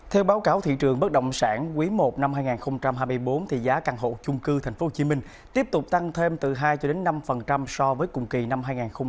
theo báo cáo thị trường bất động sản quý i năm hai nghìn hai mươi bốn giá căn hộ chung cư tp hcm tiếp tục tăng thêm từ hai cho đến năm so với cùng kỳ năm hai nghìn hai mươi ba